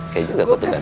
kayak juga kutukan